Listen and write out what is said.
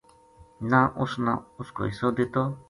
نہ اُس نا اُس کو حصو دِتو